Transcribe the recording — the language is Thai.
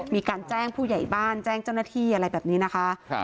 มีการแจ้งผู้ใหญ่บ้านแจ้งเจ้าหน้าที่อะไรแบบนี้นะคะ